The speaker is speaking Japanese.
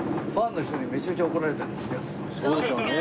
そうでしょうね。